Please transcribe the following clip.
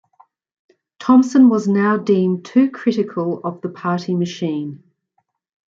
Thomson was now deemed too critical of the party machine.